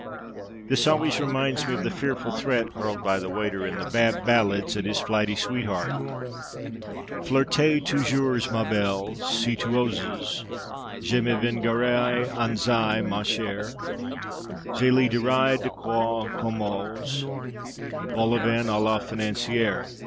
_ This always reminds me of the fearful threat hurled by the waiter in the "Bab Ballads" at his flighty sweetheart: "Flirtez toujours, ma belle, si tu oses, Je me vengerai ainsi, ma chère: Je lui dirai d'quoi on compose Vol au vent à la Financière!"